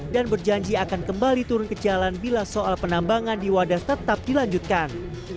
dan berjanji akan kembali turun ke jalan bila soal penambangan di wadas tetap dilanjutkan